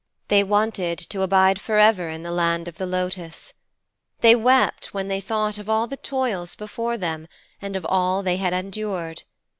They wanted to abide forever in the land of the lotus. They wept when they thought of all the toils before them and of all they had endured.